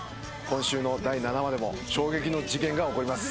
今週の第７話でも衝撃の事件が起こります